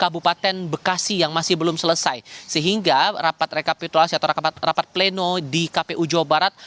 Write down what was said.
kabupaten bekasi yang masih belum selesai sehingga rapat rekapitulasi atau rapat pleno di kpu jawa barat